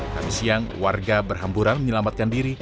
kami siang warga berhamburan menyelamatkan diri